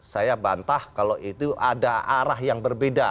saya bantah kalau itu ada arah yang berbeda